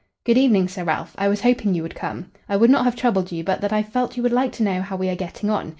"Good evening, Sir Ralph. I was hoping you would come. I would not have troubled you but that I felt you would like to know how we are getting on.